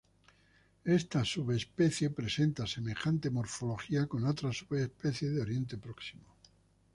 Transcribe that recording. Esta subespecie presenta semejanzas morfológicas con otras subespecies de Oriente Próximo.